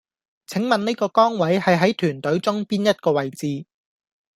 請問呢個崗位係喺團隊中邊一個位置?